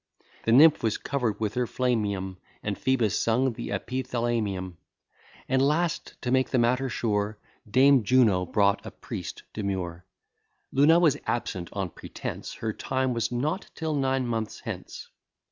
The nymph was cover'd with her flammeum, And Phoebus sung th'epithalamium. And last, to make the matter sure, Dame Juno brought a priest demure. Luna was absent, on pretence Her time was not till nine months hence.